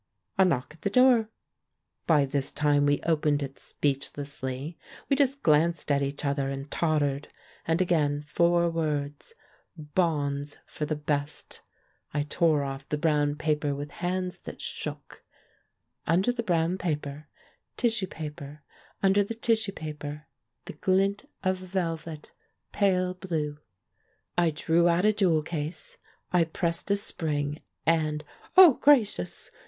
A knock at the door! By this time we opened it speechlessly — we just glanced at each other, and tottered. And again four words — "Bonds for the Best." I tore off the brown paper with THE PRINCE IN THE FAIRY TALE 217 hands that shook. Under the brown paper, tissue paper ; under the tissue paper, the ghnt of velvet, pale blue; I drew out a jewel case; I pressed a spring, and "Oh, gracious!"